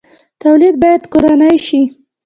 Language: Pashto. تولید باید کورنی شي